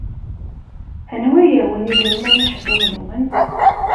Anwa ay awen-igezmen acebbub-nwen?